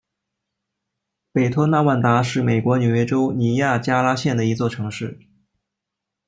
北托纳万达是美国纽约州尼亚加拉县的一座城市。